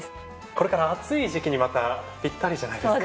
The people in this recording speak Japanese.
これから熱い時季にまたぴったりじゃないですか？